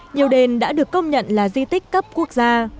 nhiều đền đã được công nhận là di tích cấp quốc gia